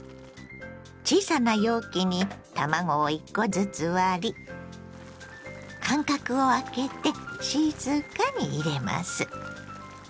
小さな容器に卵を１コずつ割り間隔をあけて静かに入れます。